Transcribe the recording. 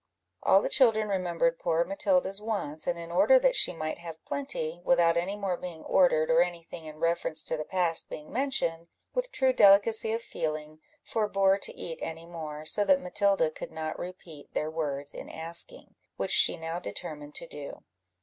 All the children remembered poor Matilda's wants, and in order that she might have plenty, without any more being ordered, or any thing in reference to the past being mentioned, with true delicacy of feeling, forbore to eat any more, so that Matilda could not repeat their words in asking, which she now determined to do.